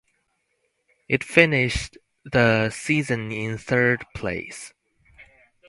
It finished the season in third place.